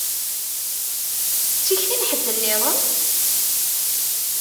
D tikti n ḥedd nniḍen?